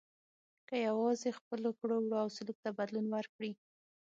که یوازې خپلو کړو وړو او سلوک ته بدلون ورکړي.